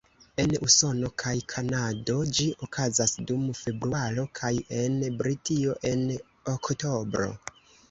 En Usono kaj Kanado ĝi okazas dum februaro, kaj en Britio en oktobro.